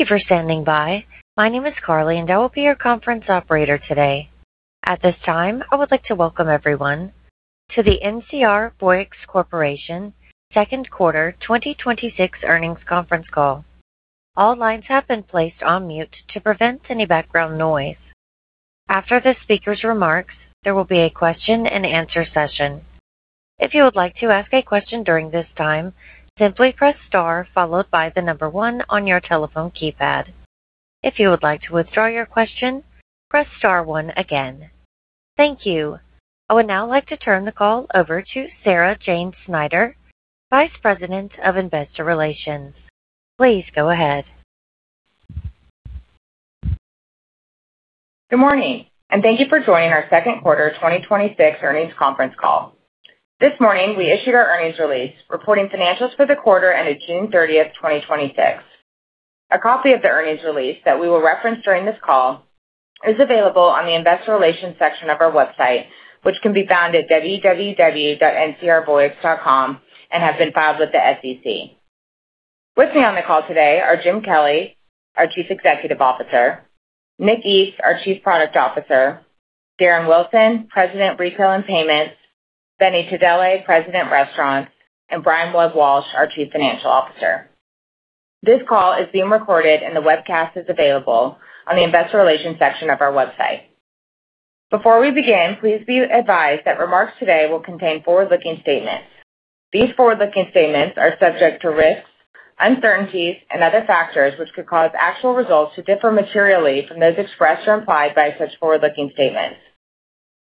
Thank you for standing by. My name is Carly, and I will be your conference operator today. At this time, I would like to welcome everyone to NCR Voyix corporation Second Quarter 2026 Earnings Conference Call. All lines have been placed on mute to prevent any background noise. After the speaker's remarks, there will be a question and answer session. If you would like to ask a question during this time, simply press star followed by the number one on your telephone keypad. If you would like to withdraw your question, press star one again. Thank you. I would now like to turn the call over to Sarah Jane Schneider, Vice President of Investor Relations. Please go ahead. Good morning, and thank you for joining our second quarter 2026 earnings conference call. This morning, we issued our earnings release, reporting financials for the quarter ended June 30th, 2026. A copy of the earnings release that we will reference during this call is available on the investor relations section of our website, which can be found at www.ncrvoyix.com, and has been filed with the SEC. With me on the call today are James Kelly, our Chief Executive Officer, Nick East, our Chief Product Officer, Darren Wilson, President, Retail and Payments, Benny Tadele, President, Restaurants, and Brian Webb-Walsh, our Chief Financial Officer. This call is being recorded and the webcast is available on the investor relations section of our website. Before we begin, please be advised that remarks today will contain forward-looking statements. These forward-looking statements are subject to risks, uncertainties, and other factors which could cause actual results to differ materially from those expressed or implied by such forward-looking statements.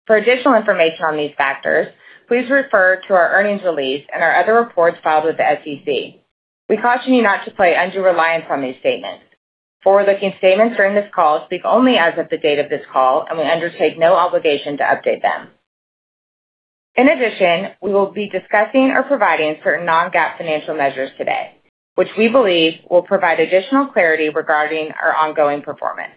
For additional information on these factors, please refer to our earnings release and our other reports filed with the SEC. We caution you not to place undue reliance on these statements. Forward-looking statements during this call speak only as of the date of this call, and we undertake no obligation to update them. In addition, we will be discussing or providing certain non-GAAP financial measures today, which we believe will provide additional clarity regarding our ongoing performance.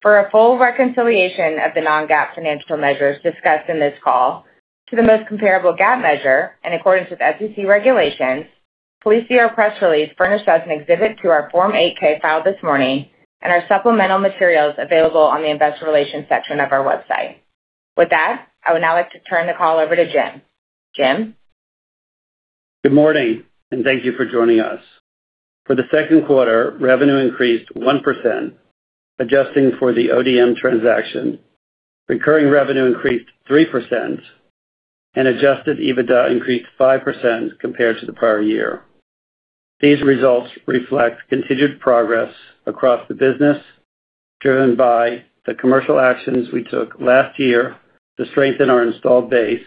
For a full reconciliation of the non-GAAP financial measures discussed in this call to the most comparable GAAP measure in accordance with SEC regulations, please see our press release furnished as an exhibit to our Form 8-K filed this morning and our supplemental materials available on the investor relations section of our website. With that, I would now like to turn the call over to James. James? Good morning, and thank you for joining us. For the second quarter, revenue increased 1%, adjusting for the ODM transaction. Recurring revenue increased 3%, and Adjusted EBITDA increased 5% compared to the prior year. These results reflect continued progress across the business, driven by the commercial actions we took last year to strengthen our installed base,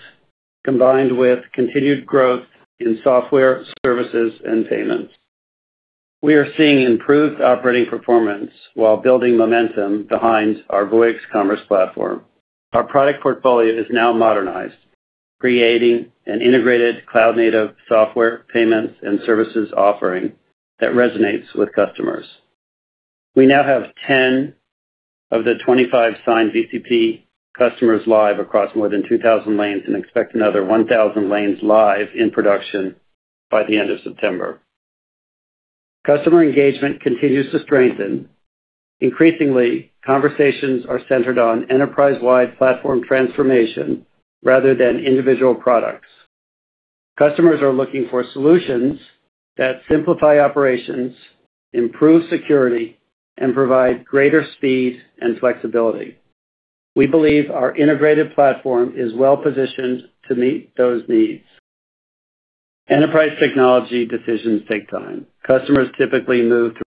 combined with continued growth in software services and payments. We are seeing improved operating performance while building momentum behind our Voyix Commerce Platform. Our product portfolio is now modernized, creating an integrated cloud-native software, payments, and services offering that resonates with customers. We now have 10 of the 25 signed VCP customers live across more than 2,000 lanes and expect another 1,000 lanes live in production by the end of September. Customer engagement continues to strengthen. Increasingly, conversations are centered on enterprise-wide platform transformation rather than individual products. Customers are looking for solutions that simplify operations, improve security, and provide greater speed and flexibility. We believe our integrated platform is well-positioned to meet those needs. Enterprise technology decisions take time. Customers typically move through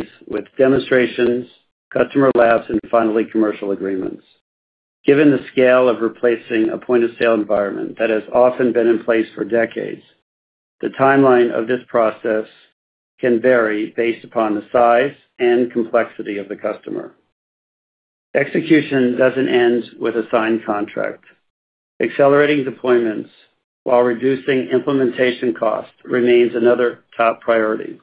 phases with demonstrations, customer labs, and finally, commercial agreements. Given the scale of replacing a point-of-sale environment that has often been in place for decades, the timeline of this process can vary based upon the size and complexity of the customer. Execution doesn't end with a signed contract. Accelerating deployments while reducing implementation cost remains another top priority.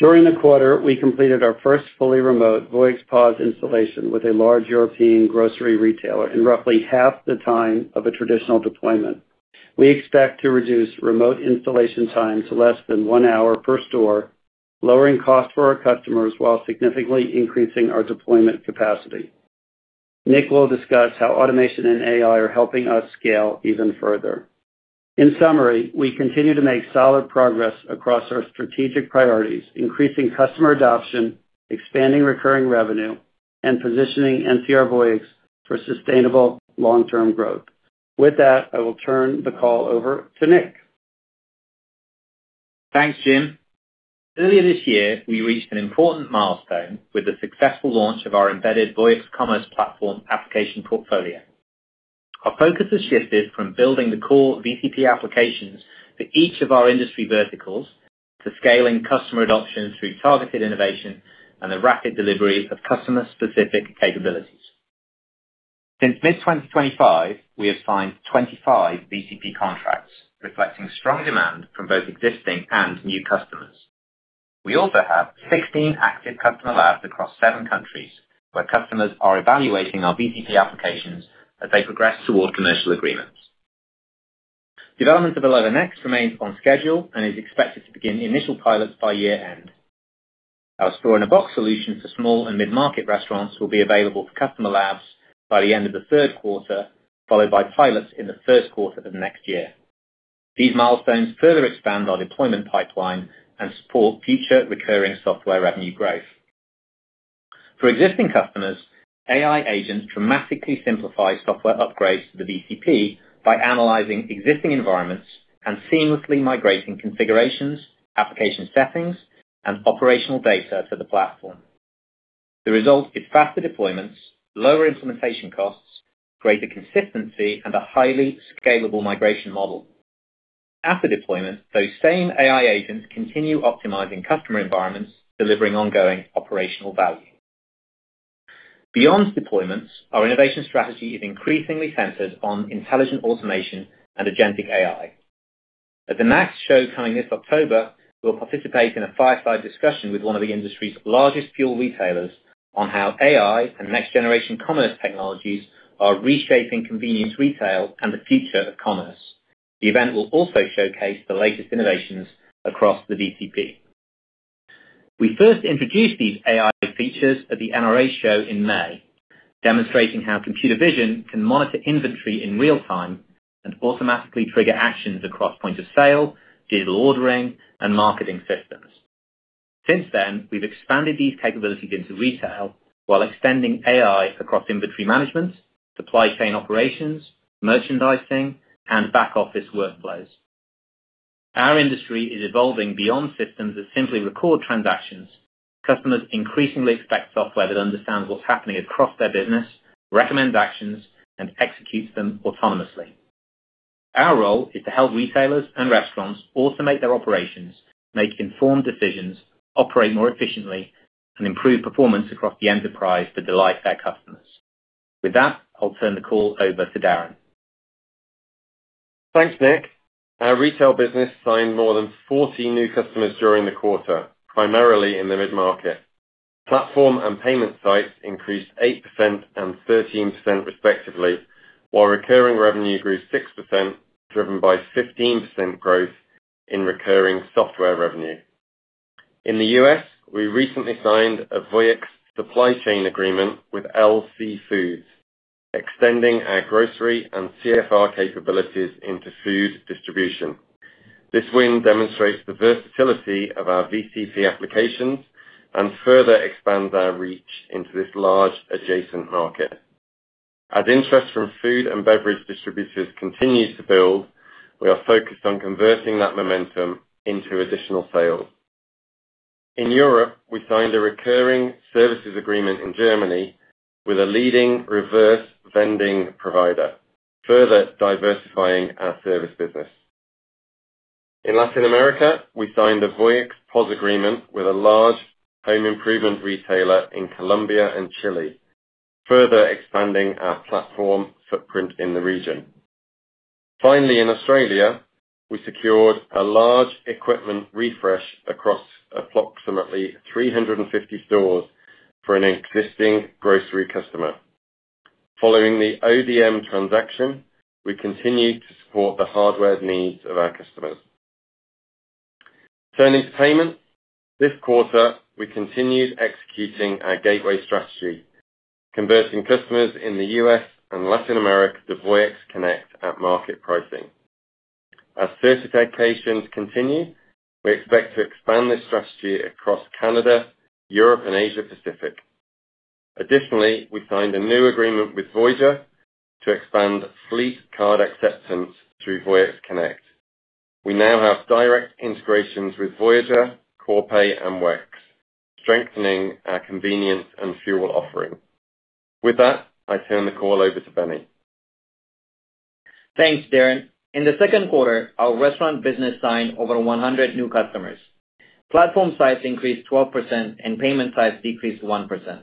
During the quarter, we completed our first fully remote Voyix POS installation with a large European grocery retailer in roughly half the time of a traditional deployment. We expect to reduce remote installation time to less than one hour per store, lowering cost for our customers while significantly increasing our deployment capacity. Nick will discuss how automation and AI are helping us scale even further. In summary, we continue to make solid progress across our strategic priorities increasing customer adoption expanding recurring revenue, and NCR Voyix for sustainable long-term growth. With that, I will turn the call over to Nick. Thanks, James. Earlier this year, we reached an important milestone with the successful launch of our embedded Voyix Commerce Platform application portfolio. Our focus has shifted from building the core VCP applications for each of our industry verticals to scaling customer adoption through targeted innovation and the rapid delivery of customer-specific capabilities. Since mid-2025, we have signed 25 VCP contracts, reflecting strong demand from both existing and new customers. We also have 16 active customer labs across seven countries, where customers are evaluating our VCP applications as they progress toward commercial agreements. Development of Aloha Next remains on schedule and is expected to begin initial pilots by year-end. Our store-in-a-box solution for small and mid-market restaurants will be available for customer labs by the end of the third quarter, followed by pilots in the first quarter of next year. These milestones further expand our deployment pipeline and support future recurring software revenue growth. For existing customers, AI agents dramatically simplify software upgrades to the VCP by analyzing existing environments and seamlessly migrating configurations, application settings, and operational data to the platform. The result is faster deployments, lower implementation costs, greater consistency, and a highly scalable migration model. After deployment, those same AI agents continue optimizing customer environments, delivering ongoing operational value. Beyond deployments, our innovation strategy is increasingly centered on intelligent automation and agentic AI. At the next show coming this October, we'll participate in a fireside discussion with one of the industry's largest fuel retailers on how AI and next-generation commerce technologies are reshaping convenience retail and the future of commerce. The event will also showcase the latest innovations across the VCP. We first introduced these AI features at the NRA show in May, demonstrating how computer vision can monitor inventory in real time and automatically trigger actions across point of sale, digital ordering, and marketing systems. Since then, we've expanded these capabilities into retail while extending AI across inventory management, supply chain operations, merchandising, and back-office workflows. Our industry is evolving beyond systems that simply record transactions. Customers increasingly expect software that understands what's happening across their business, recommends actions, and executes them autonomously. Our role is to help retailers and restaurants automate their operations, make informed decisions, operate more efficiently, and improve performance across the enterprise to delight their customers. With that, I'll turn the call over to Darren. Thanks, Nick. Our retail business signed more than 40 new customers during the quarter, primarily in the mid-market. Platform and payment sites increased 8% and 13% respectively, while recurring revenue grew 6%, driven by 15% growth in recurring software revenue. In the U.S., we recently signed a Voyix supply chain agreement with LC Foods, extending our grocery and CFR capabilities into food distribution. This win demonstrates the versatility of our VCP applications and further expands our reach into this large adjacent market. As interest from food and beverage distributors continues to build, we are focused on converting that momentum into additional sales. In Europe, we signed a recurring services agreement in Germany with a leading reverse vending provider, further diversifying our service business. In Latin America, we signed a Voyix POS agreement with a large home improvement retailer in Colombia and Chile, further expanding our platform footprint in the region. In Australia, we secured a large equipment refresh across approximately 350 stores for an existing grocery customer. Following the ODM transaction, we continue to support the hardware needs of our customers. Turning to payments. This quarter, we continued executing our gateway strategy, converting customers in the U.S. and Latin America to Voyix Connect at market pricing. As certifications continue, we expect to expand this strategy across Canada, Europe, and Asia Pacific. Additionally, we signed a new agreement with Voyager to expand fleet card acceptance through Voyix Connect. We now have direct integrations with Voyager, Corpay, and WEX, strengthening our convenience and fuel offering. With that, I turn the call over to Benny. Thanks, Darren. In the second quarter, our restaurant business signed over 100 new customers. Platform size increased 12% and payment size decreased 1%.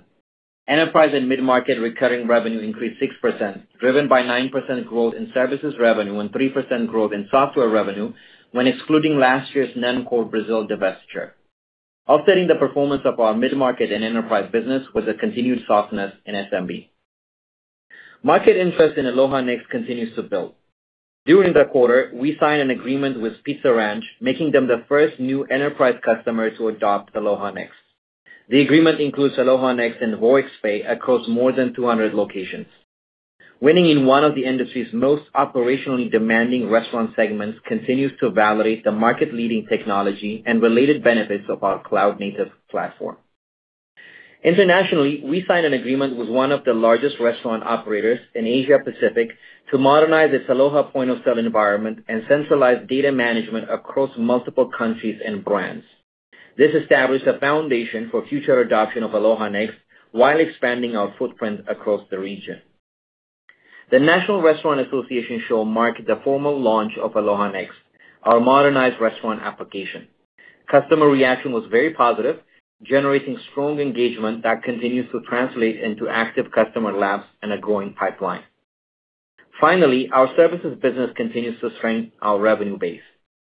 Enterprise and mid-market recurring revenue increased 6%, driven by 9% growth in services revenue and 3% growth in software revenue when excluding last year's Nemcor Brazil divestiture. Offsetting the performance of our mid-market and enterprise business was a continued softness in SMB. Market interest in Aloha Next continues to build. During the quarter, we signed an agreement with Pizza Ranch, making them the first new enterprise customer to adopt Aloha Next. The agreement includes Aloha Next and Voyix Pay across more than 200 locations. Winning in one of the industry's most operationally demanding restaurant segments continues to validate the market-leading technology and related benefits of our cloud-native platform. Internationally, we signed an agreement with one of the largest restaurant operators in Asia Pacific to modernize its Aloha point-of-sale environment and centralize data management across multiple countries and brands. This established a foundation for future adoption of Aloha Next while expanding our footprint across the region. The National Restaurant Association show marked the formal launch of Aloha Next, our modernized restaurant application. Customer reaction was very positive, generating strong engagement that continues to translate into active customer labs and a growing pipeline. Finally, our services business continues to strengthen our revenue base.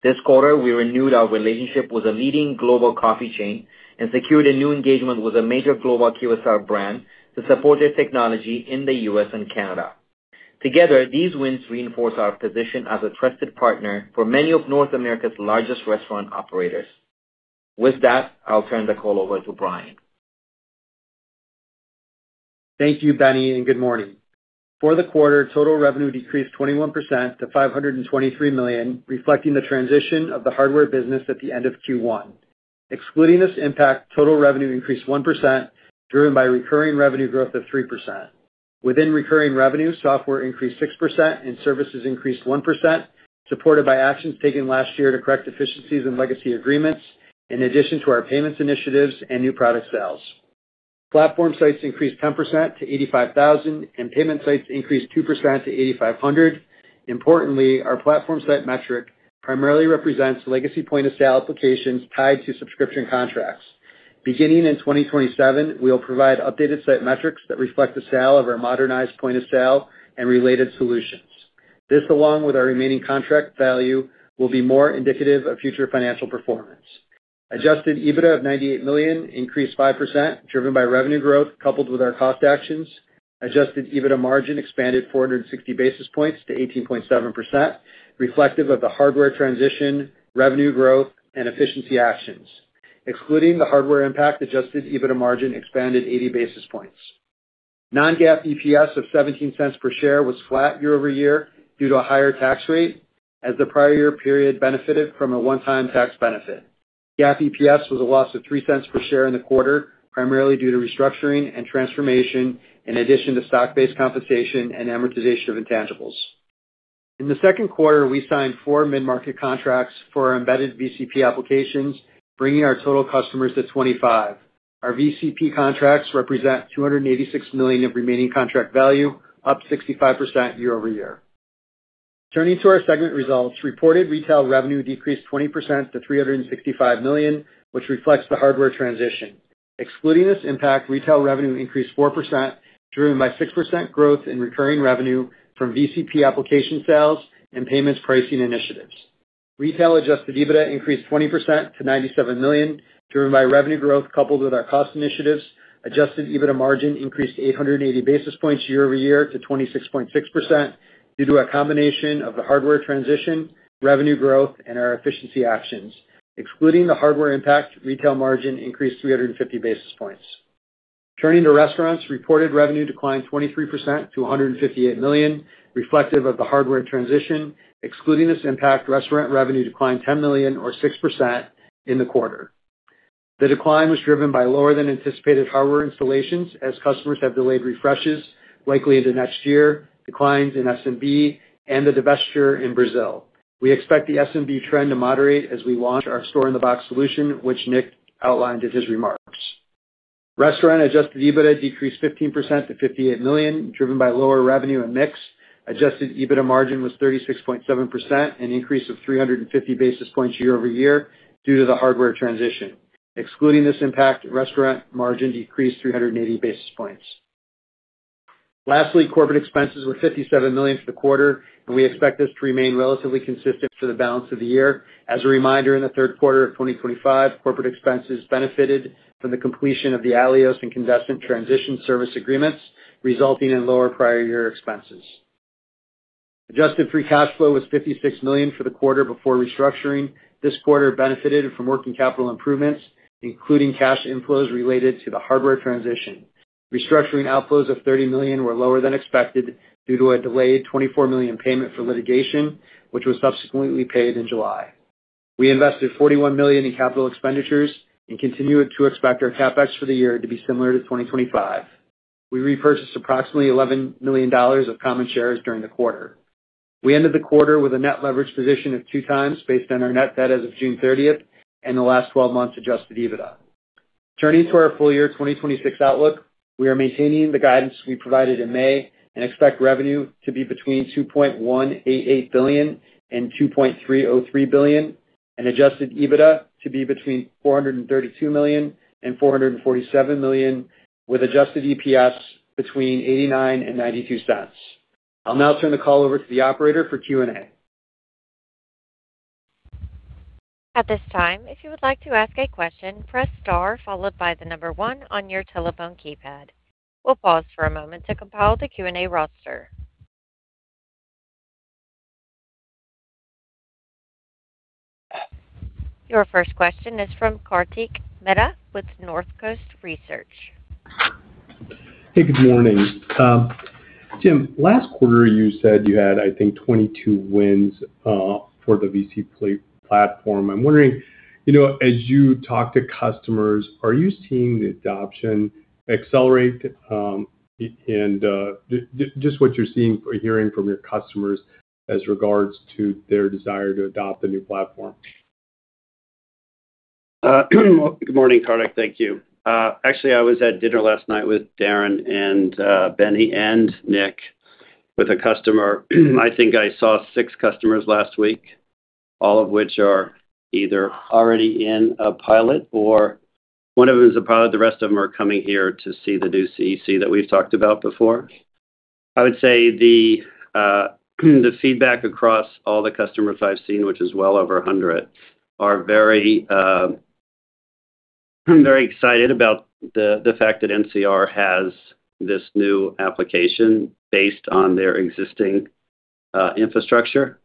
This quarter, we renewed our relationship with a leading global coffee chain and secured a new engagement with a major global QSR brand to support their technology in the U.S. and Canada. Together, these wins reinforce our position as a trusted partner for many of North America's largest restaurant operators. With that, I'll turn the call over to Brian. Thank you, Benny. Good morning. For the quarter, total revenue decreased 21% to $523 million, reflecting the transition of the hardware business at the end of Q1. Excluding this impact, total revenue increased 1%, driven by recurring revenue growth of 3%. Within recurring revenue, software increased 6% and services increased 1%, supported by actions taken last year to correct efficiencies and legacy agreements, in addition to our payments initiatives and new product sales. Platform sites increased 10% to 85,000, and payment sites increased 2% to 8,500. Importantly, our platform site metric primarily represents legacy point-of-sale applications tied to subscription contracts. Beginning in 2027, we'll provide updated site metrics that reflect the sale of our modernized point-of-sale and related solutions. This, along with our remaining contract value, will be more indicative of future financial performance. Adjusted EBITDA of $98 million increased 5%, driven by revenue growth coupled with our cost actions. Adjusted EBITDA margin expanded 460 basis points to 18.7%, reflective of the hardware transition, revenue growth, and efficiency actions. Excluding the hardware impact, adjusted EBITDA margin expanded 80 basis points. Non-GAAP EPS of $0.17 per share was flat year-over-year due to a higher tax rate, as the prior year period benefited from a one-time tax benefit. GAAP EPS was a loss of $0.03 per share in the quarter, primarily due to restructuring and transformation. In addition to stock-based compensation and amortization of intangibles. In the second quarter, we signed four mid-market contracts for our embedded VCP applications, bringing our total customers to 25. Our VCP contracts represent $286 million of remaining contract value, up 65% year-over-year. Turning to our segment results, reported retail revenue decreased 20% to $365 million, which reflects the hardware transition. Excluding this impact, retail revenue increased 4%, driven by 6% growth in recurring revenue from VCP application sales and payments pricing initiatives. Retail adjusted EBITDA increased 20% to $97 million, driven by revenue growth coupled with our cost initiatives. Adjusted EBITDA margin increased 880 basis points year-over-year to 26.6% due to a combination of the hardware transition, revenue growth, and our efficiency actions. Excluding the hardware impact retail margin increased 350 basis points. Turning to restaurants, reported revenue declined 23% to $158 million, reflective of the hardware transition. Excluding this impact, restaurant revenue declined $10 million or 6% in the quarter. The decline was driven by lower than anticipated hardware installations as customers have delayed refreshes, likely into next year declines in SMB and the divestiture in Brazil. We expect the SMB trend to moderate as we launch our store-in-a-box solution, which Nick outlined in his remarks. Restaurant adjusted EBITDA decreased 15% to $58 million, driven by lower revenue and mix. Adjusted EBITDA margin was 36.7%, an increase of 350 basis points year-over-year due to the hardware transition. Excluding this impact, restaurant margin decreased 380 basis points. Lastly, corporate expenses were $57 million for the quarter, and we expect this to remain relatively consistent for the balance of the year. As a reminder, in the third quarter of 2025. Corporate expenses benefited from the completion of the Atleos and [Condescent] transition service agreements, resulting in lower prior year expenses. Adjusted free cash flow was $56 million for the quarter before restructuring. This quarter benefited from working capital improvements, including cash inflows related to the hardware transition. Restructuring outflows of $30 million were lower than expected due to a delayed $24 million payment for litigation, which was subsequently paid in July. We invested $41 million in capital expenditures and continue to expect our CapEx for the year to be similar to 2025. We repurchased approximately $11 million of common shares during the quarter. We ended the quarter with a net leverage position of 2x based on our net debt as of June 30th and the last 12 months adjusted EBITDA. Turning to our full year 2026 outlook. We are maintaining the guidance we provided in May and expect revenue to be between $2.188 billion and $2.303 billion, and adjusted EBITDA to be between $432 million and $447 million, with adjusted EPS between $0.89 and $0.92. I'll now turn the call over to the operator for Q&A. At this time, if you would like to ask a question, press star followed by the number one on your telephone keypad. We'll pause for a moment to compile the Q&A roster. Your first question is from Kartik Mehta with Northcoast Research. Hey, good morning. James, last quarter you said you had. I think, 22 wins for the VCP. I'm wondering, as you talk to customers are you seeing the adoption accelerate? Just what you're seeing or hearing from your customers as regards to their desire to adopt the new platform. Good morning, Kartik. Thank you. Actually, I was at dinner last night with Darren and Benny and Nick with a customer. I think I saw six customers last week, all of which are either already in a pilot or one of them is a pilot. The rest of them are coming here to see the new CEC that we've talked about before. I would say the feedback across all the customers I've seen, which is well over 100 are very excited about the fact that NCR has this new application based on their existing infrastructure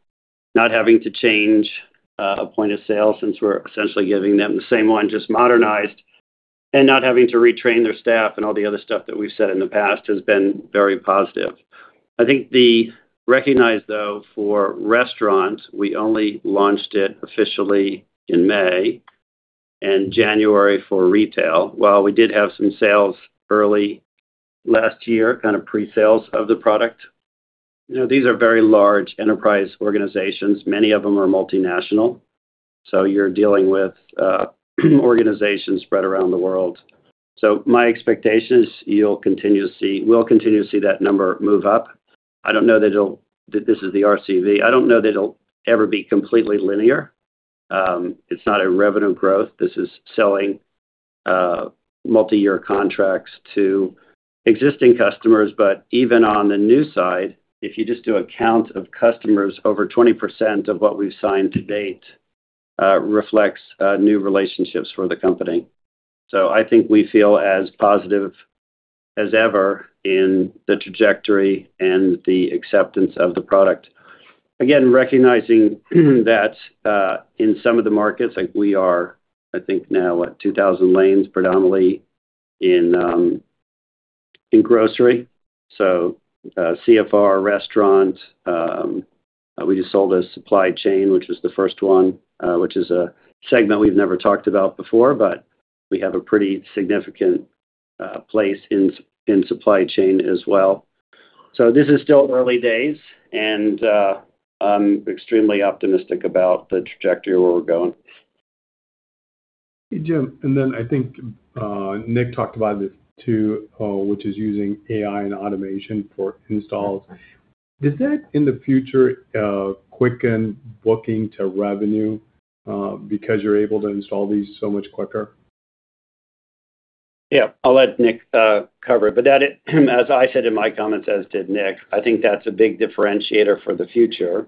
not having to change a point of sale since we're essentially giving them the same one. Just modernized and not having to retrain their staff and all the other stuff that we've said in the past has been very positive. I think they recognize though for restaurants, we only launched it officially in May, January for retail. While we did have some sales early last year, kind of pre-sales of the product, these are very large enterprise organizations. Many of them are multinational, you're dealing with organizations spread around the world. My expectation is we'll continue to see that number move up. I don't know that this is the RCV. I don't know that it'll ever be completely linear. It's not a revenue growth. This is selling multi-year contracts to existing customers. Even on the new side, if you just do a count of customers, over 20% of what we've signed to date reflects new relationships for the company. I think we feel as positive as ever in the trajectory and the acceptance of the product. Recognizing that in some of the markets, like we are, I think now at 2,000 lanes predominantly in grocery. CFR Restaurant, we just sold a supply chain, which was the first one, which is a segment we've never talked about before, but we have a pretty significant place in supply chain as well. This is still early days, and I'm extremely optimistic about the trajectory where we're going. Hey, James, I think Nick talked about this too, which is using AI and automation for installs. Does that, in the future, quicken booking to revenue because you're able to install these so much quicker? I'll let Nick cover. As I said in my comments, as did Nick, I think that's a big differentiator for the future,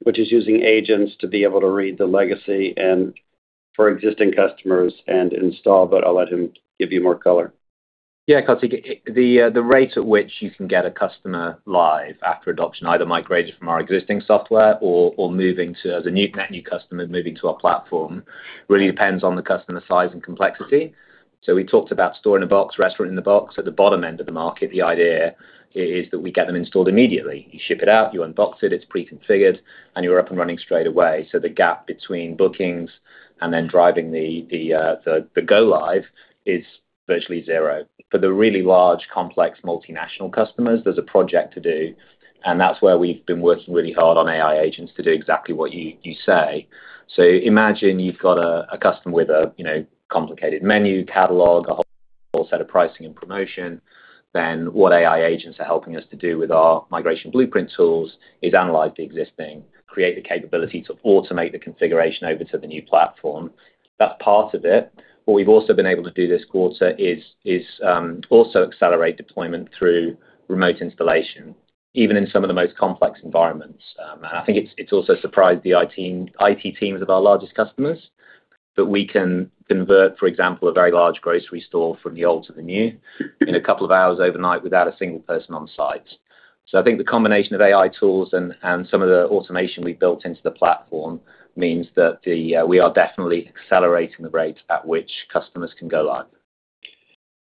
which is using agents to be able to read the legacy and for existing customers and install I'll let him give you more color. Kartik, the rate at which you can get a customer live after adoption, either migrated from our existing software or moving to as a net new customer moving to our platform, really depends on the customer size and complexity. We talked about store-in-a-box, restaurant-in-a-box. At the bottom end of the market the idea is that we get them installed immediately. You ship it out, you unbox it's pre-configured, and you're up and running straight away. The gap between bookings and then driving the go live is virtually zero. For the really large, complex multinational customers. There's a project to do, and that's where we've been working really hard on AI agents to do exactly what you say. Imagine you've got a customer with a complicated menu catalog, a whole set of pricing and promotion. What AI agents are helping us to do with our migration blueprint tools is analyze the existing, create the capability to automate the configuration over to the new platform. That's part of it. What we've also been able to do this quarter is also accelerate deployment through remote installation, even in some of the most complex environments. I think it's also surprised the IT teams of our largest customers, that we can convert. For example, a very large grocery store from the old to the new in a couple of hours overnight without a single person on site. I think the combination of AI tools and some of the automation we've built into the platform means that we are definitely accelerating the rate at which customers can go live.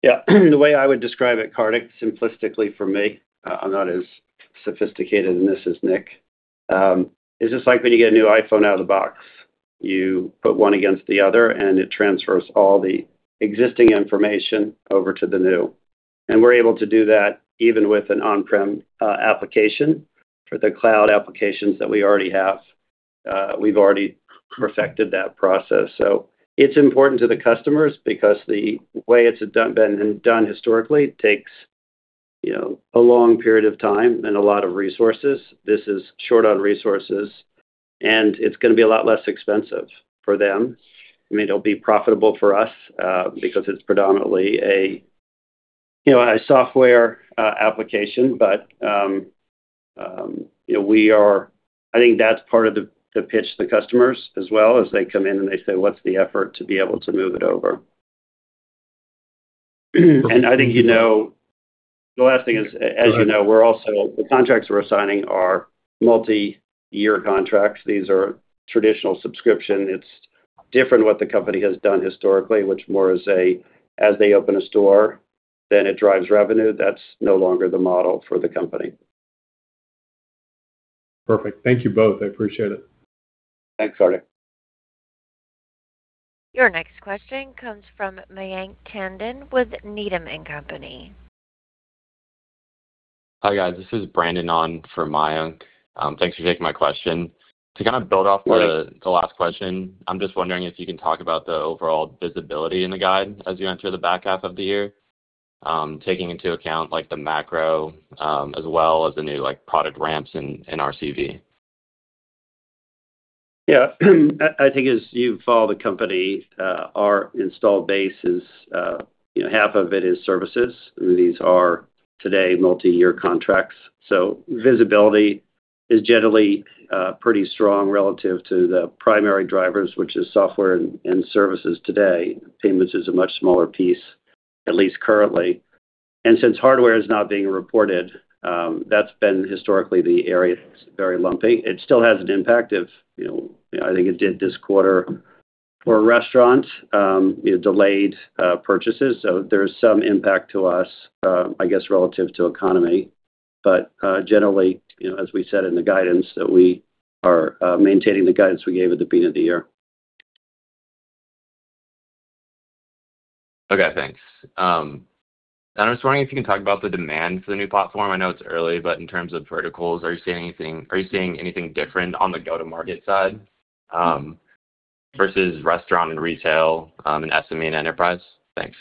Yeah. The way I would describe it, Kartik, simplistically for me, I'm not as sophisticated in this as Nick is just like when you get a new iPhone out of the box. You put one against the other, and it transfers all the existing information over to the new. We're able to do that even with an on-prem application. For the cloud applications that we already have, we've already perfected that process. It's important to the customers because the way it's been done historically takes a long period of time and a lot of resources. This is short on resources, and it's going to be a lot less expensive for them. I mean, it'll be profitable for us because it's predominantly a software application. I think that's part of the pitch to the customers as well, as they come in and they say, "What's the effort to be able to move it over?" I think the last thing is, as you know, the contracts we're signing are multi-year contracts. These are traditional subscription. It's different what the company has done historically, which more is a as they open a store, it drives revenue. That's no longer the model for the company. Perfect. Thank you both. I appreciate it. Thanks, Kartik. Your next question comes from Mayank Tandon with Needham & Company. Hi, guys. This is Brandon on for Mayank. Thanks for taking my question. To kind of build off the last question, I'm just wondering if you can talk about the overall visibility in the guide as you enter the back half of the year taking into account the macro, as well as the new product ramps in RCV. Yeah. I think as you follow the company, our install base half of it is services. These are today multi-year contracts. Visibility is generally pretty strong relative to the primary drivers, which is software and services today. Payments is a much smaller piece at least currently. Since hardware is not being reported, that's been historically the area that's very lumpy. It still has an impact. I think it did this quarter for restaurants delayed purchases. There's some impact to us, I guess relative to economy. Generally, as we said in the guidance, that we are maintaining the guidance we gave at the beginning of the year. Okay, thanks. I was wondering if you can talk about the demand for the new platform. I know it's early, but in terms of verticals are you seeing anything different on the go-to-market side versus restaurant and retail, and SME and enterprise? Thanks.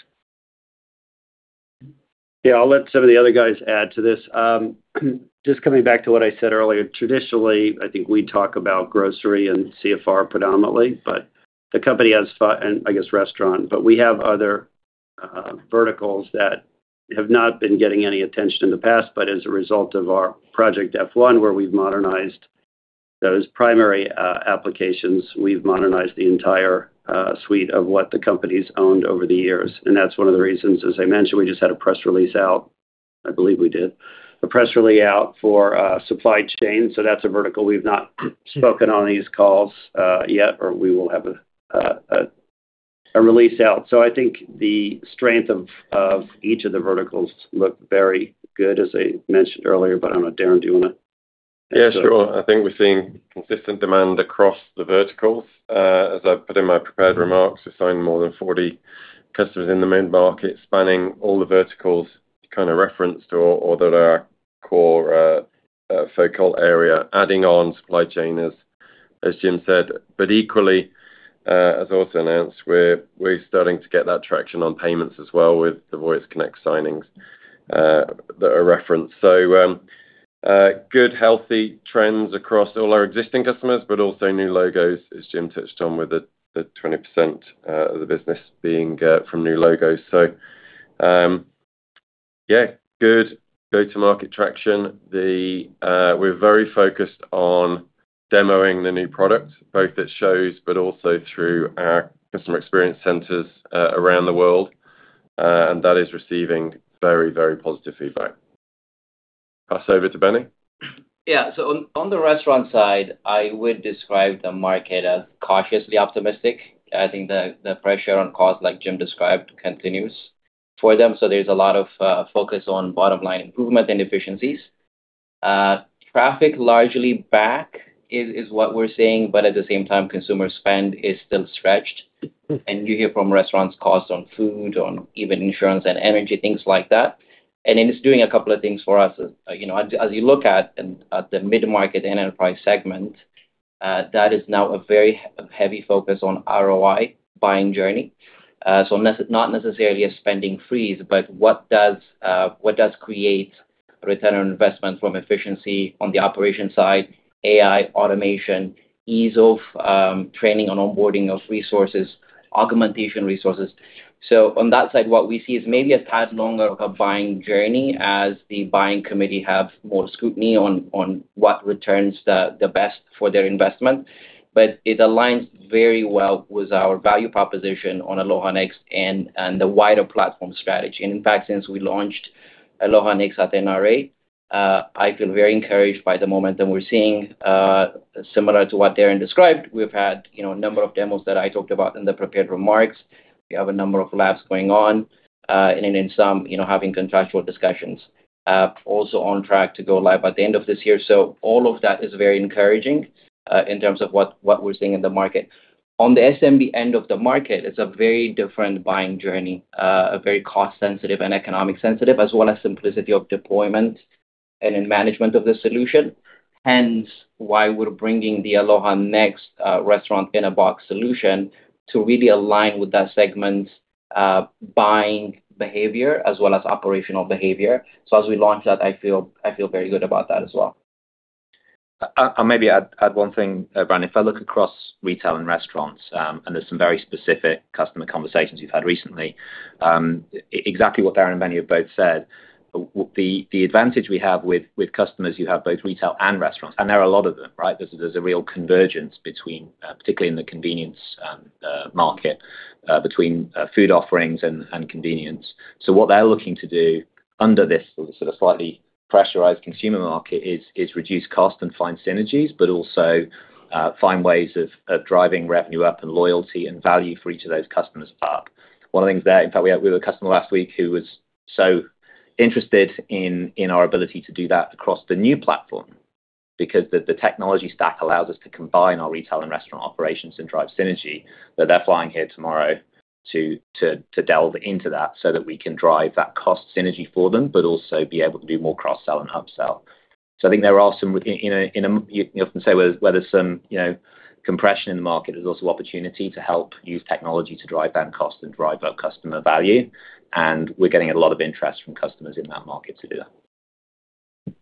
Yeah, I'll let some of the other guys add to this. Just coming back to what I said earlier traditionally, I think we talk about grocery and CFR predominantly. The company has and I guess restaurant, but we have other verticals that have not been getting any attention in the past. As a result of our Project F1, where we've modernized those primary applications, we've modernized the entire suite of what the company's owned over the years. That's one of the reasons, as I mentioned, we just had a press release out. I believe we did, for supply chain. That's a vertical we've not spoken on these calls yet, or we will have a release out. I think the strength of each of the verticals look very good, as I mentioned earlier. I don't know Darren, do you want to add to that? Yeah, sure. I think we're seeing consistent demand across the verticals. As I put in my prepared remarks, we signed more than 40 customers in the mid-market, spanning all the verticals kind of referenced all our core focal area. Adding on supply chain as James said. Equally, as also announced, we're starting to get that traction on payments as well with the Voyix Connect signings that are referenced. Good, healthy trends across all our existing customers, but also new logos, as James touched on with the 20% of the business being from new logos. Yeah, good go-to-market traction. We're very focused on demoing the new product, both at shows but also through our customer experience centers around the world. That is receiving very positive feedback. Pass over to Benny. Yeah. On the restaurant side, I would describe the market as cautiously optimistic. I think the pressure on cost, like James described, continues for them. There's a lot of focus on bottom-line improvement and efficiencies. Traffic largely back, is what we're seeing but at the same time, consumer spend is still stretched. You hear from restaurants, costs on food on even insurance and energy, things like that. It's doing a couple of things for us. As you look at the mid-market and enterprise segment, that is now a very heavy focus on ROI buying journey. Not necessarily a spending freeze, but what does create return on investment from efficiency on the operation side, AI, automation, ease of training and onboarding of resources, augmentation resources. On that side, what we see is maybe a tad longer of a buying journey as the buying committee have more scrutiny on what returns the best for their investment. It aligns very well with our value proposition on Aloha Next and the wider platform strategy. In fact, since we launched Aloha Next at NRA, I feel very encouraged by the momentum we're seeing. Similar to what Darren described, we've had a number of demos that I talked about in the prepared remarks. We have a number of labs going on, and in some having contractual discussions. Also on track to go live at the end of this year. All of that is very encouraging in terms of what we're seeing in the market. On the SMB end of the market, it's a very different buying journey, a very cost sensitive and economic sensitive, as well as simplicity of deployment and in management of the solution. Hence, why we're bringing the Aloha Next restaurant-in-a-box solution to really align with that segment's buying behavior as well as operational behavior. As we launch that, I feel very good about that as well. I'll maybe add one thing, Brandon. If I look across retail and restaurants, there's some very specific customer conversations we've had recently. Exactly what Darren and Benny have both said. The advantage we have with customers who have both retail and restaurants, there are a lot of them, right? There's a real convergence, particularly in the convenience market, between food offerings and convenience. What they're looking to do under this sort of slightly pressurized consumer market is reduce cost and find synergies, also find ways of driving revenue up and loyalty and value for each of those customers up. One of the things there, in fact, we had a customer last week who was so interested in our ability to do that across the new platform, because the technology stack allows us to combine our retail and restaurant operations and drive synergy, that they're flying here tomorrow to delve into that so that we can drive that cost synergy for them, but also be able to do more cross-sell and upsell. I think there are some, you often say there's some compression in the market, there's also opportunity to help use technology to drive down cost and drive up customer value, and we're getting a lot of interest from customers in that market to do that.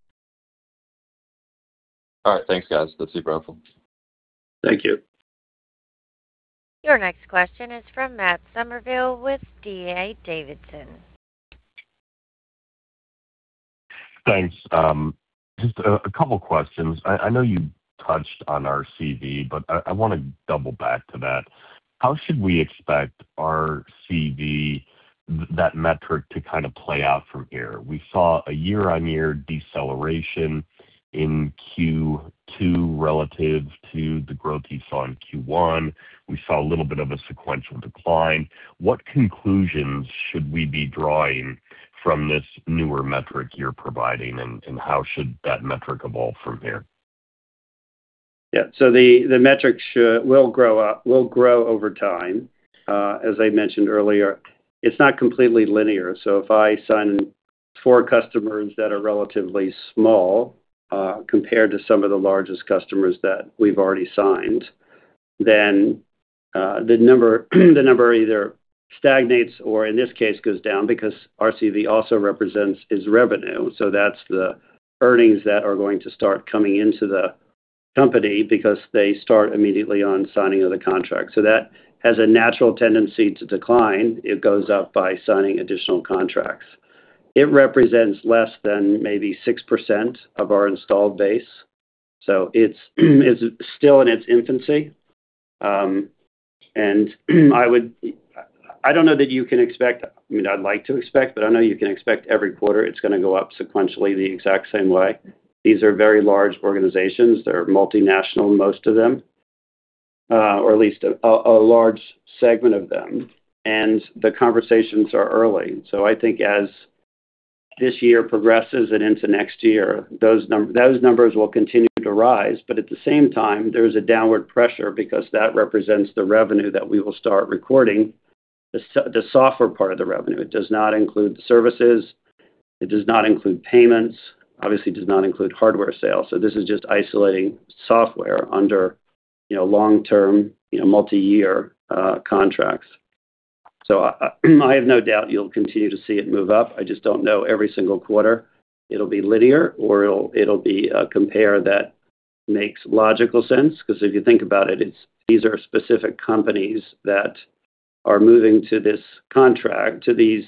All right. Thanks, guys. That's super helpful. Thank you. Your next question is from Matt Summerville with D.A. Davidson. Thanks. Just two questions. I know you touched on RCV. I want to double back to that. How should we expect RCV, that metric to play out from here? We saw a year-on-year deceleration in Q2 relative to the growth you saw in Q1. We saw a little bit of a sequential decline. What conclusions should we be drawing from this newer metric you're providing? How should that metric evolve from here? Yeah. The metric will grow over time. As I mentioned earlier, it's not completely linear. If I sign four customers that are relatively small, compared to some of the largest customers that we've already signed, then the number either stagnates or, in this case, goes down because RCV also represents his revenue. That's the earnings that are going to start coming into the company because they start immediately on signing of the contract. That has a natural tendency to decline. It goes up by signing additional contracts. It represents less than maybe 6% of our installed base. It's still in its infancy. I don't know that you can expect, I'd like to expect. I know you can expect every quarter it's going to go up sequentially the exact same way. These are very large organizations. They're multinational most of them, or at least a large segment of them. The conversations are early. I think as this year progresses and into next year, those numbers will continue to rise. At the same time, there's a downward pressure because that represents the revenue that we will start recording, the software part of the revenue. It does not include the services, it does not include payments, obviously does not include hardware sales. This is just isolating software under long-term, multi-year contracts. I have no doubt you'll continue to see it move up. I just don't know every single quarter it'll be linear or it'll be a compare that makes logical sense, because if you think about it, these are specific companies that are moving to this contract, to these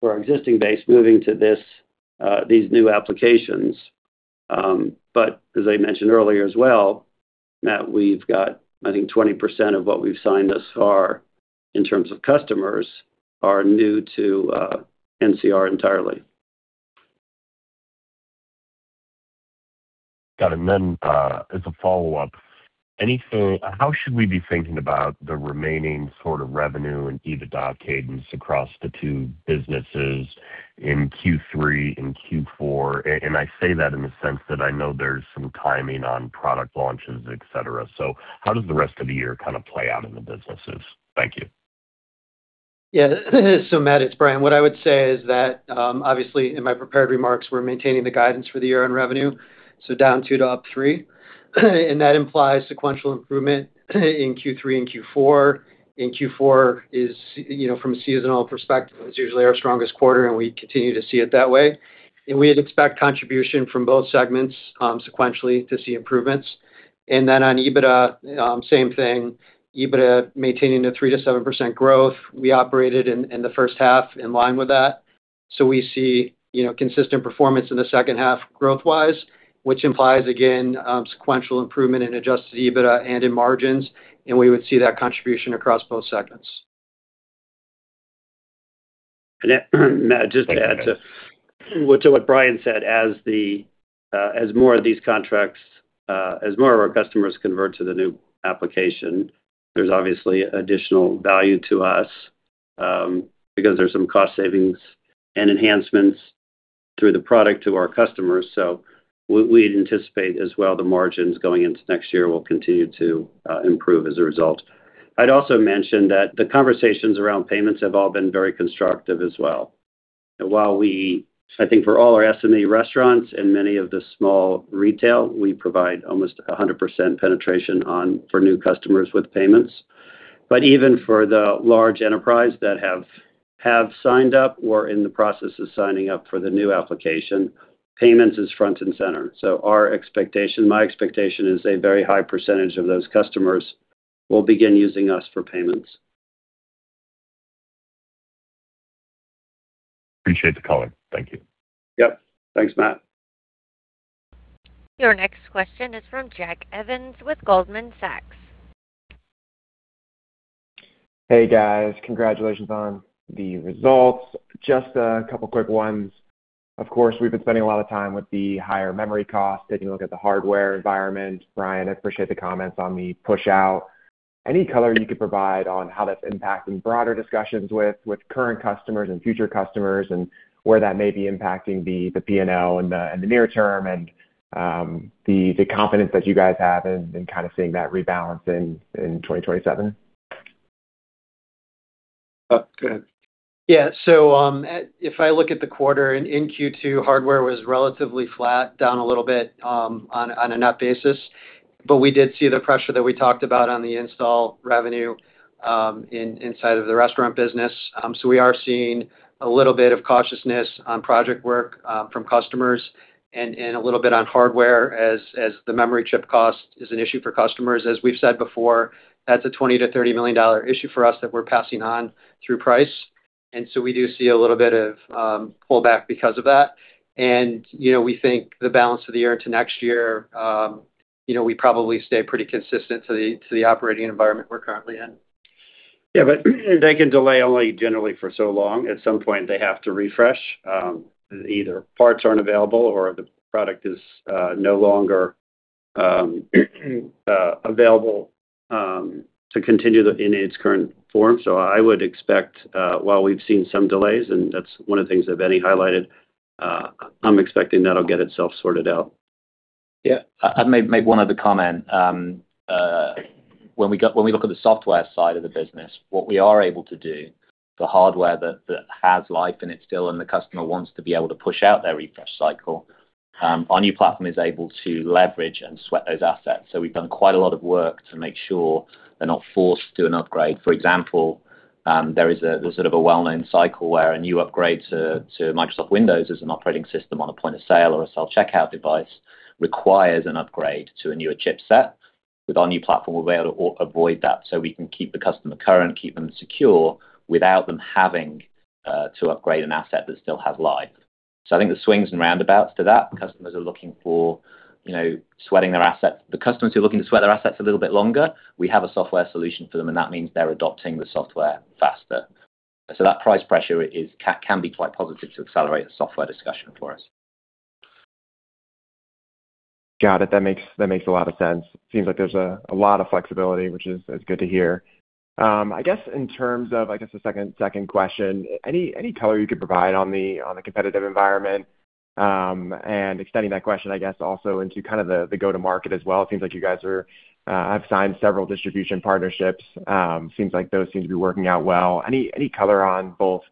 for our existing base, moving to these new applications. As I mentioned earlier as well, Matt, we've got, I think 20% of what we've signed thus far in terms of customers are new to NCR entirely. Got it. As a follow-up, how should we be thinking about the remaining sort of revenue and EBITDA cadence across the two businesses in Q3, in Q4? I say that in the sense that I know there's some timing on product launches, et cetera. How does the rest of the year play out in the businesses? Thank you. Matt, it's Brian. What I would say is that obviously in my prepared remarks, we're maintaining the guidance for the year-end revenue,[-2% to 3%]. That implies sequential improvement in Q3 and Q4. Q4 is from a seasonal perspective, it's usually our strongest quarter, we continue to see it that way. We'd expect contribution from both segments, sequentially to see improvements. On EBITDA, same thing EBITDA maintaining the 3% to 7% growth. We operated in the first half in line with that. We see consistent performance in the second half growth-wise, which implies, again, sequential improvement in Adjusted EBITDA and in margins, and we would see that contribution across both segments. Matt, just to add to what Brian said, as more of our customers convert to the new application, there's obviously additional value to us because there's some cost savings and enhancements through the product to our customers. We'd anticipate as well the margins going into next year will continue to improve as a result. I'd also mention that the conversations around payments have all been very constructive as well. While we, I think for all our SME restaurants and many of the small retail, we provide almost 100% penetration on for new customers with payments. Even for the large enterprise that have signed up or in the process of signing up for the new application, payments is front and center. Our expectation, my expectation is a very high percentage of those customers will begin using us for payments. Appreciate the color. Thank you. Yep. Thanks Matt. Your next question is from Jack Evans with Goldman Sachs. Hey, guys. Congratulations on the results. Just a couple of quick ones. Of course, we've been spending a lot of time with the higher memory cost, taking a look at the hardware environment. Brian, I appreciate the comments on the push out. Any color you could provide on how that's impacting broader discussions with current customers and future customers, and where that may be impacting the P&L in the near term and the confidence that you guys have in kind of seeing that rebalance in 2027? [Go ahead.] Yeah. If I look at the quarter, in Q2, hardware was relatively flat down a little bit, on a net basis. We did see the pressure that we talked about on the install revenue inside of the restaurant business. We are seeing a little bit of cautiousness on project work from customers and a little bit on hardware, as the memory chip cost is an issue for customers. As we've said before, that's a $20 million-$30 million issue for us that we're passing on through price. We do see a little bit of pullback because of that. We think the balance of the year into next year, we probably stay pretty consistent to the operating environment we're currently in. Yeah, they can delay only generally for so long. At some point they have to refresh. Either parts aren't available or the product is no longer available to continue in its current form.I would expect, while we've seen some delays and that's one of the things that Benny highlighted. I'm expecting that'll get itself sorted out. Yeah. I'd make one other comment. When we look at the software side of the business, what we are able to do, the hardware that has life in it still and the customer wants to be able to push out their refresh cycle, our new platform is able to leverage and sweat those assets. We've done quite a lot of work to make sure they're not forced to an upgrade. For example, there's sort of a well-known cycle where a new upgrade to Microsoft Windows as an operating system on a point of sale or a self-checkout device requires an upgrade to a newer chipset. With our new platform, we'll be able to avoid that, so we can keep the customer current, keep them secure, without them having to upgrade an asset that still has life. I think the swings and roundabouts to that, customers are looking for sweating their assets. The customers who are looking to sweat their assets a little bit longer, we have a software solution for them, that means they're adopting the software faster. That price pressure can be quite positive to accelerate the software discussion for us. Got it. That makes a lot of sense. Seems like there's a lot of flexibility, which is good to hear. I guess in terms of the second question, any color you could provide on the competitive environment? Extending that question, also into kind of the go-to-market as well. It seems like you guys have signed several distribution partnerships. Seems like those seem to be working out well. Any color on both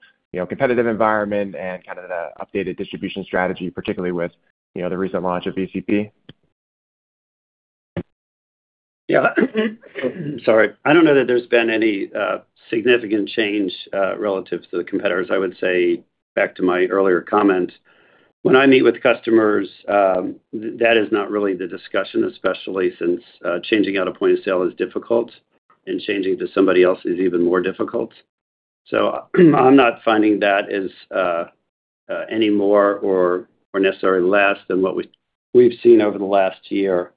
competitive environment and kind of the updated distribution strategy, particularly with the recent launch of VCP? Yeah. Sorry. I don't know that there's been any significant change relative to the competitors. I would say, back to my earlier comment, when I meet with customers that is not really the discussion. Especially since changing out a point of sale is difficult, and changing to somebody else is even more difficult. I'm not finding that as any more or necessarily less than what we've seen over the last year.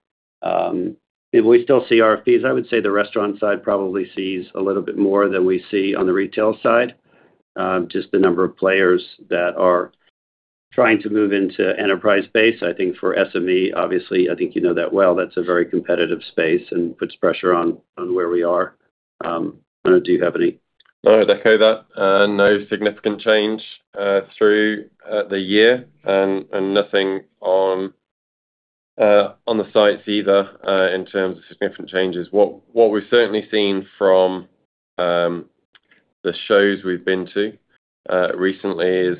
We still see RFPs. I would say the restaurant side probably sees a little bit more than we see on the retail side. Just the number of players that are trying to move into enterprise space. For SME. Obviously, you know that well, that's a very competitive space and puts pressure on where we are. [Darren] do you have any? No, to echo that, no significant change through the year, and nothing on the sites either in terms of significant changes. What we've certainly seen from the shows we've been to recently is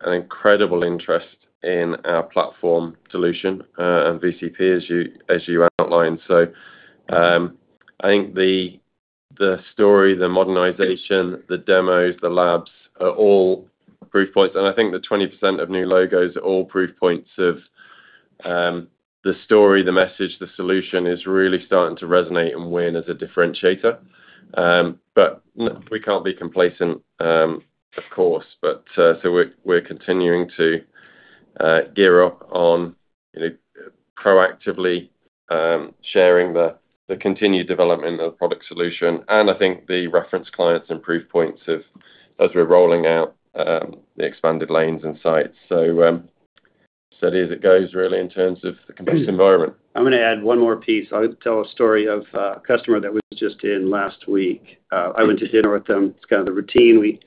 an incredible interest in our platform solution, and VCP as you outlined. The story, the modernization, the demos the labs are all proof points the 20% of new logos are all proof points of the story. The message, the solution is really starting to resonate and win as a differentiator. We can't be complacent, of course. We're continuing to gear up on proactively sharing the continued development of the product solution, the reference clients and proof points of as we're rolling out the expanded lanes and sites. It goes really in terms of the competitive environment. I'm going to add one more piece. I would tell a story of a customer that was just in last week. I went to dinner with them. It's kind of the routine. We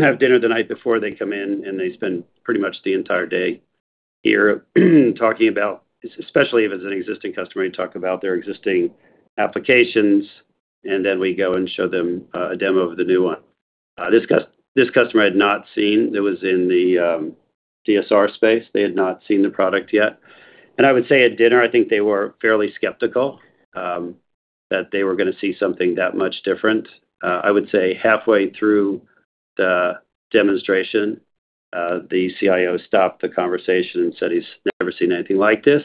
have dinner the night before they come in, and they spend pretty much the entire day here talking about, especially if it's an existing customer, you talk about their existing applications, and then we go and show them a demo of the new one. This customer I had not seen. It was in the DSR space. They had not seen the product yet. I would say at dinner, I think they were fairly skeptical that they were going to see something that much different. I would say halfway through the demonstration, the CIO stopped the conversation and said he's never seen anything like this,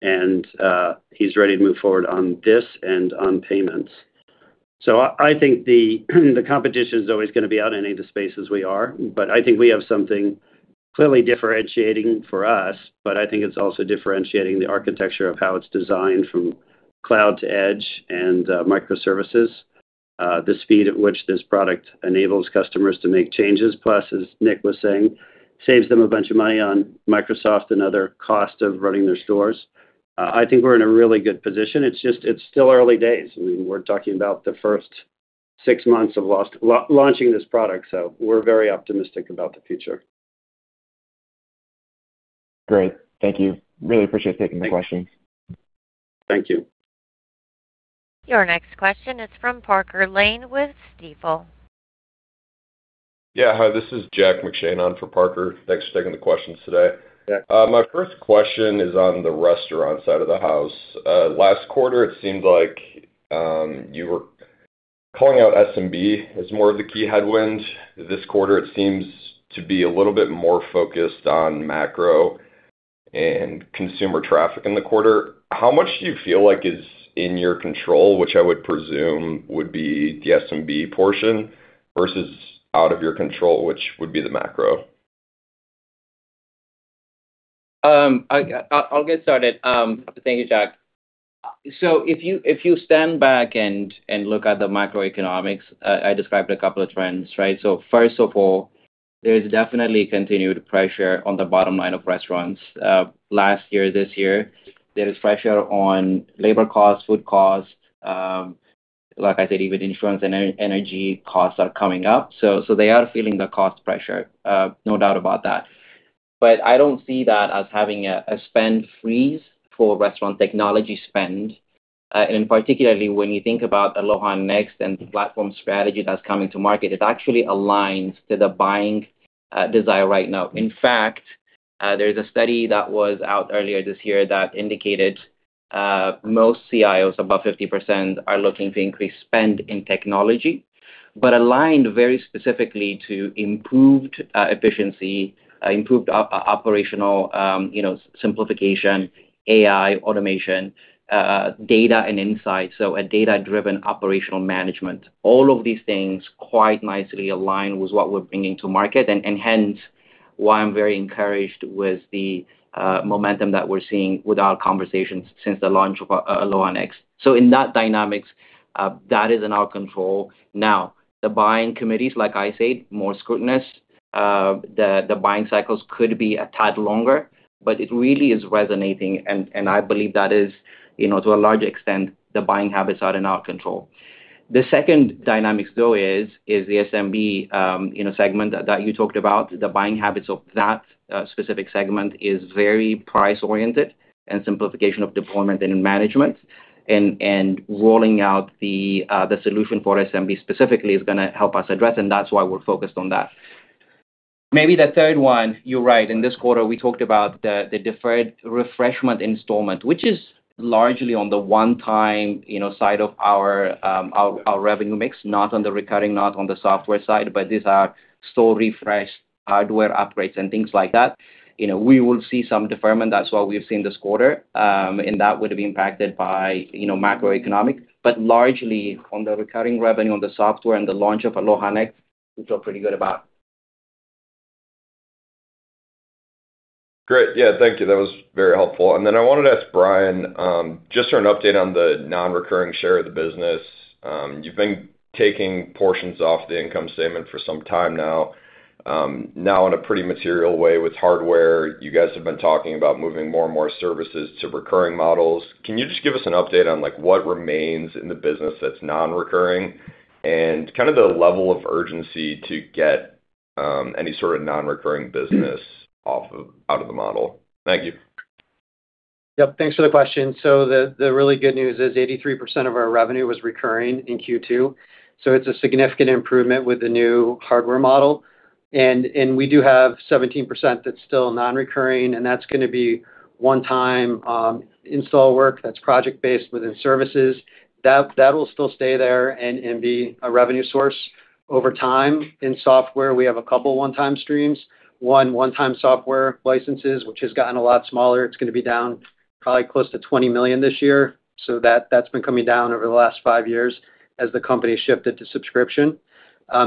and he's ready to move forward on this and on payments. I think the competition is always going to be out in any of the spaces we are, but I think we have something clearly differentiating for us, but I think it's also differentiating the architecture of how it's designed from cloud to edge and microservices. The speed at which this product enables customers to make changes, plus, as Nick was saying, saves them a bunch of money on Microsoft and other cost of running their stores. I think we're in a really good position. It's still early days. We're talking about the first six months of launching this product, so we're very optimistic about the future. Great. Thank you. Really appreciate you taking the questions. Thank you. Your next question is from Parker Lane with Stifel. Yeah. Hi, this is Jack McShane on for Parker. Thanks for taking the questions today. My first question is on the restaurant side of the house. Last quarter it seemed like you were calling out SMB as more of the key headwind. This quarter it seems to be a little bit more focused on macro and consumer traffic in the quarter. How much do you feel like is in your control, which I would presume would be the SMB portion, versus out of your control, which would be the macro? I'll get started. Thank you, Jack. If you stand back and look at the macroeconomics, I described a couple of trends, right? First of all, there is definitely continued pressure on the bottom line of restaurants. Last year, this year there is pressure on labor costs, food costs, like I said, even insurance and energy costs are coming up. They are feeling the cost pressure, no doubt about that. I don't see that as having a spend freeze for restaurant technology spend. Particularly when you think about Aloha Next and the platform strategy that's coming to market, it actually aligns to the buying desire right now. In fact, there's a study that was out earlier this year that indicated, most CIOs, about 50%, are looking to increase spend in technology, but aligned very specifically to improved efficiency, improved operational simplification, AI, automation, data and insights. A data-driven operational management. All of these things quite nicely align with what we're bringing to market and, hence, why I'm very encouraged with the momentum that we're seeing with our conversations since the launch of Aloha Next. In that dynamics, that is in our control. The buying committees, like I said, more scrutinous. The buying cycles could be a tad longer, but it really is resonating, and I believe that is, to a large extent, the buying habits are in our control. The second dynamic though is the SMB segment that you talked about. The buying habits of that specific segment is very price oriented and simplification of deployment and management, and rolling out the solution for SMB specifically is going to help us address, and that's why we're focused on that. Maybe the third one, you're right. In this quarter, we talked about the deferred refreshment installment, which is largely on the one-time side of our revenue mix not on the recurring, not on the software side, but these are store refresh, hardware upgrades and things like that. We will see some deferment. That's what we've seen this quarter. That would have been impacted by macroeconomic, but largely on the recurring revenue on the software and the launch of Aloha Next, we feel pretty good about. Great. Yeah, thank you. That was very helpful. I wanted to ask Brian, just for an update on the non-recurring share of the business. You've been taking portions off the income statement for some time now. In a pretty material way with hardware, you guys have been talking about moving more and more services to recurring models. Can you just give us an update on what remains in the business that's non-recurring, and the level of urgency to get any sort of non-recurring business out of the model? Thank you. Yep. Thanks for the question. The really good news is 83% of our revenue was recurring in Q2. It's a significant improvement with the new hardware model. We do have 17% that's still non-recurring, and that's going to be one-time install work that's project-based within services. That will still stay there and be a revenue source over time. In software, we have a couple one-time streams. One-time software licenses, which has gotten a lot smaller. It's going to be down probably close to $20 million this year. That's been coming down over the last five years as the company shifted to subscription.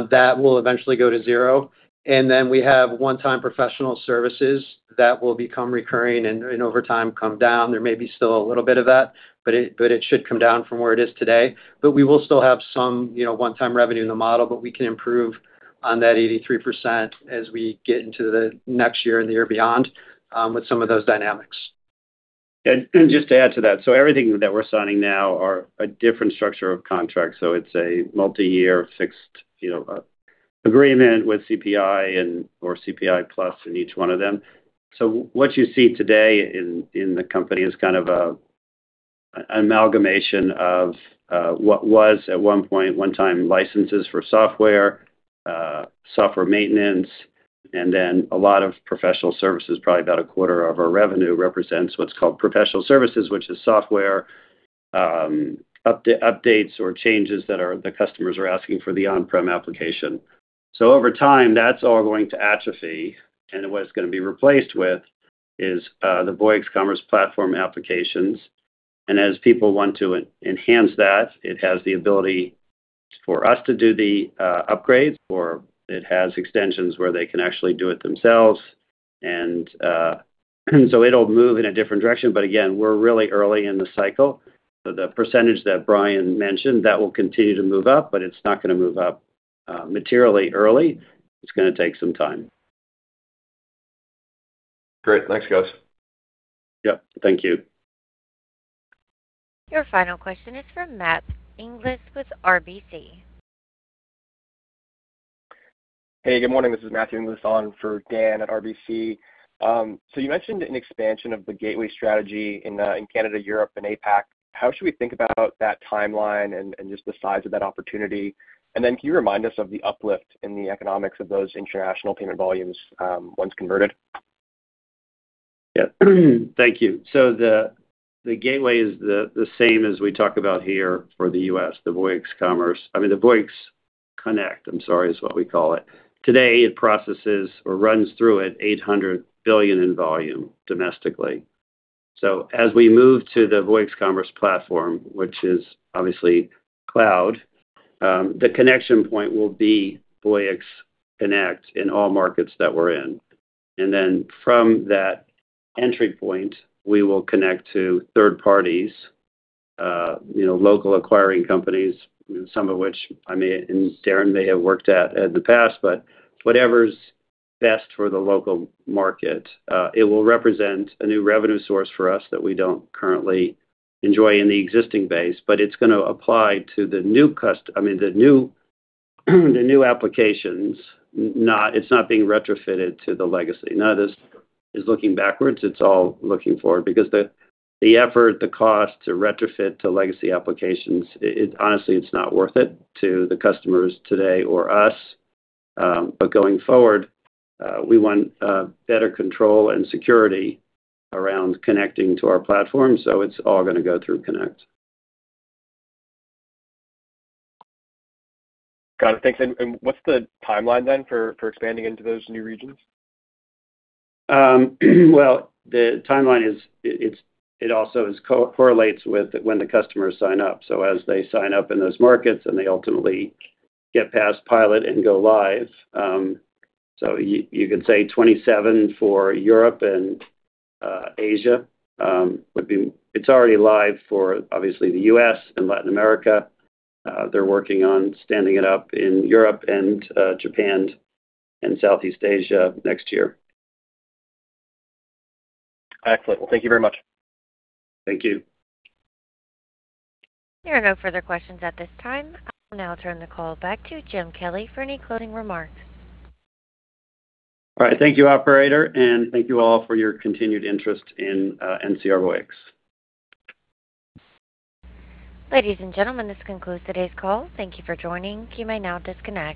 That will eventually go to zero. We have one-time professional services that will become recurring and over time come down. There may be still a little bit of that, but it should come down from where it is today. We will still have some one-time revenue in the model, but we can improve on that 83% as we get into the next year and the year beyond, with some of those dynamics. Just to add to that, everything that we're signing now are a different structure of contract. It's a multi-year fixed agreement with CPI or CPI plus in each one of them. What you see today in the company is kind of an amalgamation of what was at one point one-time licenses for software maintenance, and then a lot of professional services, probably about a quarter of our revenue represents what's called professional services, which is software, updates or changes that the customers are asking for the on-prem application. Over time, that's all going to atrophy, and what it's going to be replaced with is the Voyix Commerce Platform applications. As people want to enhance that, it has the ability for us to do the upgrades, or it has extensions where they can actually do it themselves. It'll move in a different direction but again, we're really early in the cycle. The percentage that Brian mentioned, that will continue to move up, but it's not going to move up materially early. It's going to take some time. Great. Thanks, guys. Yep. Thank you. Your final question is from Matt Inglis with RBC. Hey, good morning. This is Matt Inglis on for at RBC. You mentioned an expansion of the gateway strategy in Canada, Europe, and APAC. How should we think about that timeline and just the size of that opportunity? Can you remind us of the uplift in the economics of those international payment volumes, once converted? Yeah. Thank you. The gateway is the same as we talk about here for the U.S., the Voyix Connect. I'm sorry, is what we call it. Today, it processes or runs through it $800 billion in volume domestically. As we move to the Voyix Commerce Platform, which is obviously cloud. The connection point will be Voyix Connect in all markets that we're in. From that entry point, we will connect to third parties, local acquiring companies some of which, I mean, and Darren may have worked at in the past, but whatever's best for the local market. It will represent a new revenue source for us that we don't currently enjoy in the existing base, but it's going to apply to the new applications. It's not being retrofitted to the legacy. None of this is looking backwards. It's all looking forward because the effort, the cost to retrofit to legacy applications, honestly. It's not worth it to the customers today or us. Going forward, we want better control and security around connecting to our platform, so it's all going to go Tru Connect. Got it. Thanks. What's the timeline for expanding into those new regions? The timeline also correlates with when the customers sign up, as they sign up in those markets and they ultimately get past pilot and go live. You could say 2027 for Europe and Asia. It's already live for obviously, the U.S. and Latin America. They're working on standing it up in Europe and Japan and Southeast Asia next year. Excellent. Thank you very much. Thank you. There are no further questions at this time. I will now turn the call back to James Kelly for any closing remarks. All right. Thank you, operator and thank you all for your continued interest in NCR Voyix. Ladies and gentlemen, this concludes today's call. Thank you for joining. You may now disconnect.